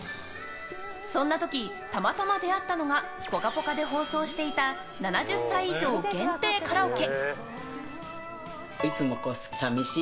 そんな時たまたま出会ったのが「ぽかぽか」で放送していた７０歳以上限定カラオケ！